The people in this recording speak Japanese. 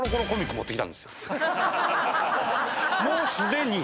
もうすでに。